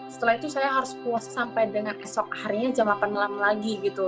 setelah itu saya harus puas sampai dengan esok harinya jam delapan malam lagi gitu